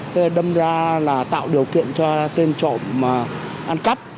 tôi đâm ra là tạo điều kiện cho tên trộm ăn cắp